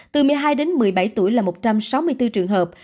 từ một mươi hai đến một mươi bảy tuổi là một trăm sáu mươi bốn trường hợp